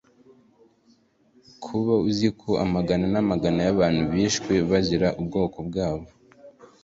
kuba uzi ko amagana n'amagana y'abahutu bishwe bazira ubwoko bwabo